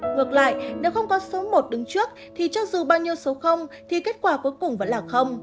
ngược lại nếu không có số một đứng trước thì cho dù bao nhiêu số thì kết quả cuối cùng vẫn là không